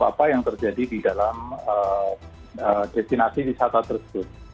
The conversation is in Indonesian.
apa yang terjadi di dalam destinasi wisata tersebut